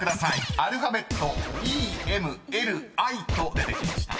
［アルファベットｅｍｌｉと出てきました］